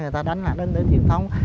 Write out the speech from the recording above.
người ta đánh lại đến triển thống